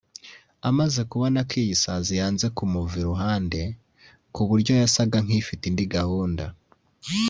Amaze kubona ko iyi sazi yanze kumuva iruhande ku buryo yasaga nk’ifite indi gahunda